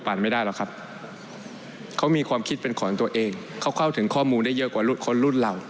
คุณพิทาก็เลยขอใช้สิทธิ์พาดพิงแล้วก็ฉีดแจ้งค่ะ